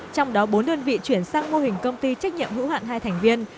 trong đó bốn đơn vị chuyển sang mô hình công ty trách nhiệm hữu hạn hai thành viên